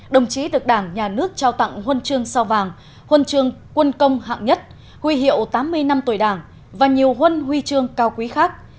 đồng chí được đảng nhà nước trao tặng huân chương sao vàng huân chương quân công hạng nhất huy hiệu tám mươi năm tuổi đảng và nhiều huân huy chương cao quý khác